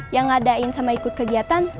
yang ngadain sama ikut kegiatan